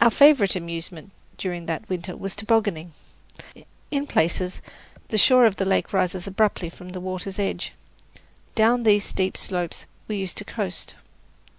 Our favourite amusement during that winter was tobogganing. In places the shore of the lake rises abruptly from the water's edge. Down these steep slopes we used to coast.